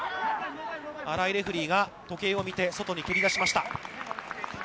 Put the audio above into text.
新井レフリーが時計を見て外に蹴り出しました。